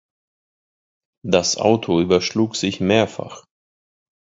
Das Auto überschlug sich mehrfach.